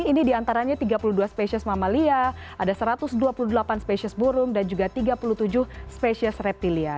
ini diantaranya tiga puluh dua spesies mamalia ada satu ratus dua puluh delapan spesies burung dan juga tiga puluh tujuh spesies reptilia